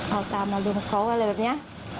เอาตามอารมณ์เค้าอะไรแบบเนี้ย